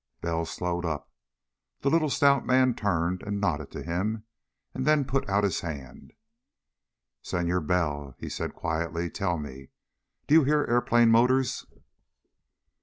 Bell slowed up. The little stout man turned and nodded to him, and then put out his hand. "Senor Bell," he said quietly, "tell me. Do you hear airplane motors?"